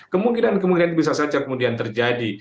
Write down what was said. kemungkinan kemungkinan bisa saja kemudian terjadi